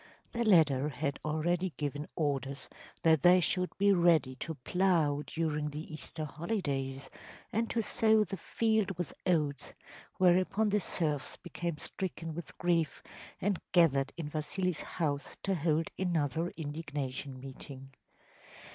The latter had already given orders that they should be ready to plough during the Easter holidays, and to sow the field with oats, whereupon the serfs became stricken with grief, and gathered in Vasili’s house to hold another indignation meeting.